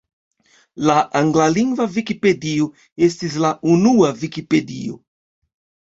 La anglalingva Vikipedio estis la unua Vikipedio.